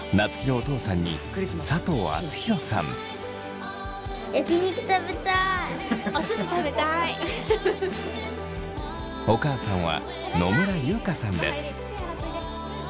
お母さんは野村佑香さんです。